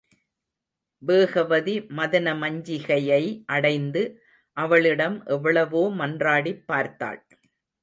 வேகவதி மதனமஞ்சிகையை அடைந்து, அவளிடம் எவ்வளவோ மன்றாடிப் பார்த்தாள்.